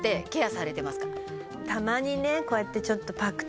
たまにねこうやってちょっと。